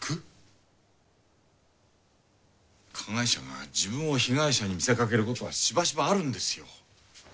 加害者が自分を被害者に見せかけることはしばしばあるんですよ。